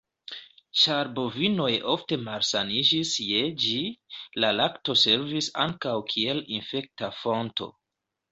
Ĉar bovinoj ofte malsaniĝis je ĝi, la lakto servis ankaŭ kiel infekta fonto.